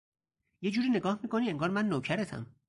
یه جوری نگاه می کنی انگار من نوکرتم